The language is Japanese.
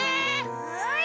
はい。